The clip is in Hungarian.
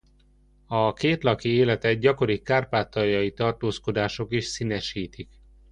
A kétlaki életet gyakori kárpátaljai tartózkodások is színesítik.